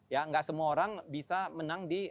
ya nggak semua orang bisa menang di